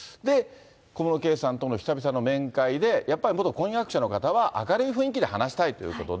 小室圭さんとの久々の面会で、やっぱり元婚約者の方は、明るい雰囲気で話したいということで。